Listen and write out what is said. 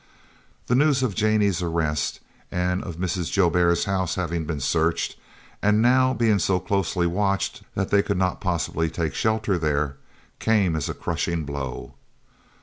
The news of Jannie's arrest and of Mrs. Joubert's house having been searched, and now being so closely watched that they could not possibly take shelter there, came as a crushing blow.